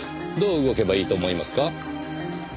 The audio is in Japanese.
どう動けばいいと思いますか？